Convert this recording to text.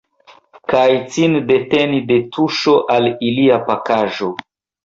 Kaj cin deteni de tuŝo al ilia pakaĵo.